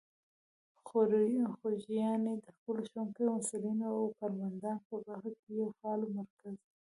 خوږیاڼي د خپلو ښوونکو، محصلینو او کارمندان په برخه کې یو فعال مرکز دی.